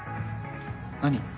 何？